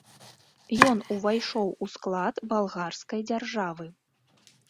Ён увайшоў у склад балгарскай дзяржавы.